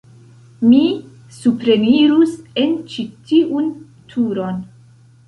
Mi suprenirus en ĉi tiun turon.